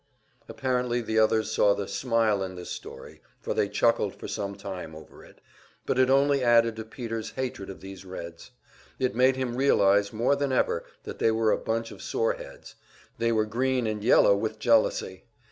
Apparently the others saw the "smile" in this story, for they chuckled for some time over it. But it only added to Peter's hatred of these Reds; it made him realize more than ever that they were a bunch of "sore heads," they were green and yellow with jealousy.